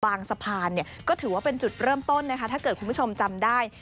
สะพานเนี่ยก็ถือว่าเป็นจุดเริ่มต้นนะคะถ้าเกิดคุณผู้ชมจำได้